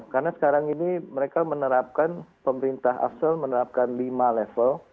karena sekarang ini mereka menerapkan pemerintah afsar menerapkan lima level